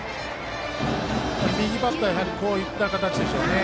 右バッターはこういった形ですよね。